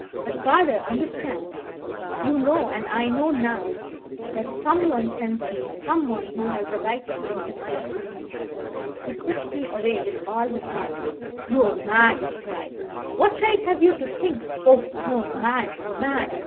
But, father, understand! You know, and I know now, that some one sends me, some one who has a right to interfere." He pushed me away with all his might. "You are mad," he cried. "What right have you to think ? Oh, you are mad mad!